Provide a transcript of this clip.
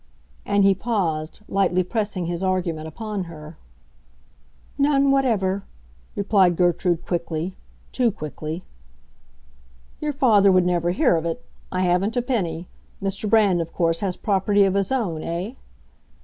And he paused, lightly pressing his argument upon her. "None whatever," replied Gertrude quickly—too quickly. "Your father would never hear of it; I haven't a penny. Mr. Brand, of course, has property of his own, eh?"